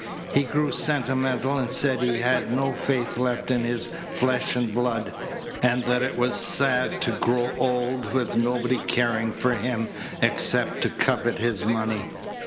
He grew sentimental and said he had no faith left in his flesh and blood, and that it was sad to grow old with nobody caring for him except to covet his money.